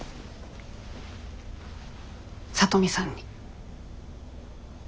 聡美さんに。